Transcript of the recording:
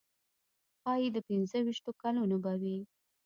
ښایي د پنځه ویشتو کلونو به وي.